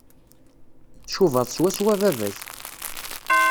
Tcubaḍ swaswa baba-k.